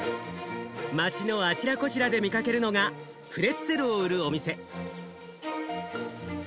街のあちらこちらで見かけるのがプレッツェルを売るお店。